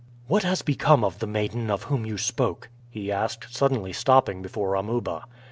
"What has become of the maiden of whom you spoke?" he asked, suddenly stopping before Amuba.